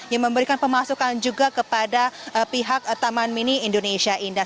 yang memberikan pemasukan juga kepada pihak taman mini indonesia indah